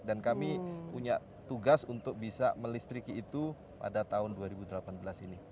dan kami punya tugas untuk bisa melistriki itu pada tahun dua ribu delapan belas ini